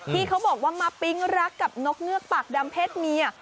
ที่เขาบอกว่ามาปิ๊งรักกับนกเงือกปากดำเพศเมีย